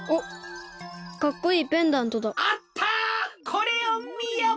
これをみよ！